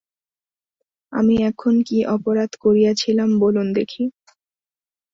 আমি এমন কী অপরাধ করিয়াছিলাম বলুন দেখি।